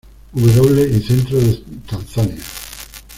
W. y centro de Tanzania.